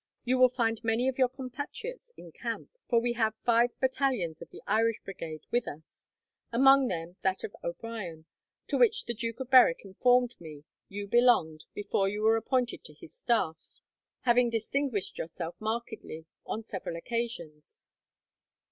You will find many of your compatriots in camp, for we have five battalions of the Irish Brigade with us, among them that of O'Brien, to which the Duke of Berwick informed me you belonged before you were appointed to his staff, having distinguished yourself markedly on several occasions."